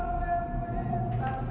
aku benny kabour grandma